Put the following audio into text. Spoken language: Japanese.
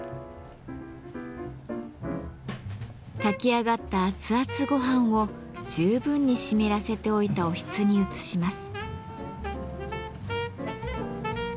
炊き上がったあつあつごはんを十分に湿らせておいたおひつに移します。